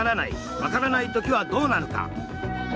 分からないときはどうなるか。